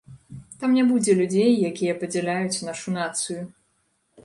Там не будзе людзей, якія падзяляюць нашу нацыю.